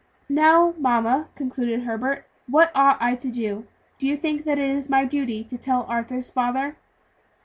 "Now, mamma," concluded Herbert, "what ought I to do? Do you think it is my duty to tell Arthur's father?"